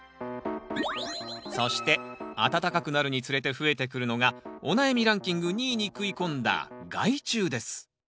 そして暖かくなるにつれて増えてくるのがお悩みランキング２位に食い込んだ害虫です。